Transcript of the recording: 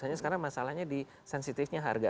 hanya sekarang masalahnya di sensitifnya harga